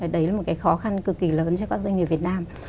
đấy là một khó khăn cực kỳ lớn cho các doanh nghiệp việt nam